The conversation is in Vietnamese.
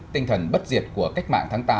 tinh thần bất diệt của cách mạng tháng tám